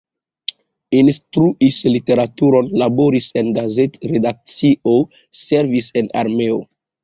Instruis literaturon, laboris en gazet-redakcio, servis en armeo.